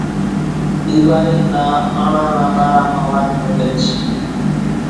ۮيوارِي نا آنڻا نا ٻارا مان وات وڳچ